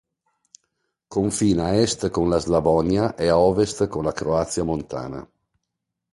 Confina a est con la Slavonia e a ovest con la Croazia montana.